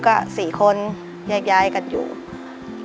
ร้องได้ให้ร้อง